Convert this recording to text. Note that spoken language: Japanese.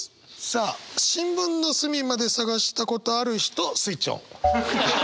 さあ新聞の隅まで探したことある人スイッチオン。